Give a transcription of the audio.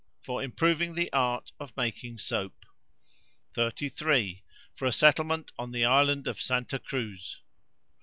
For improving the art of making soap. 33. For a settlement on the island of Santa Cruz.